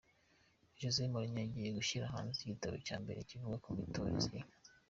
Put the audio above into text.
Jose Mourinho agiye gushyira hanze igitabo cya mbere kivuga ku mitoreze ye.